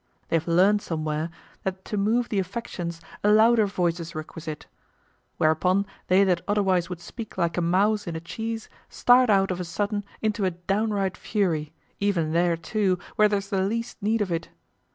They have learned somewhere that to move the affections a louder voice is requisite. Whereupon they that otherwise would speak like a mouse in a cheese start out of a sudden into a downright fury, even there too, where there's the least need of it.